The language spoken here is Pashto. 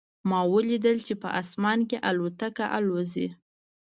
ما ولیدل چې په اسمان کې الوتکه الوزي